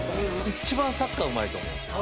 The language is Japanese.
一番サッカーうまいと思うんですよ。